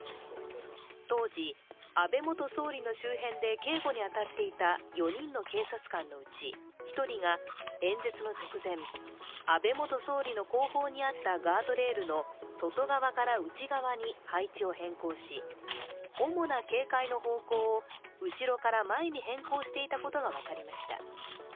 当時、安倍元総理の周辺で警護に当たっていた４人の警察官のうち１人が演説の直前安倍元総理の後方にあったガードレールの外側から内側に配置を変更し主な警戒の方向を後ろから前に変更していたことが分かりました。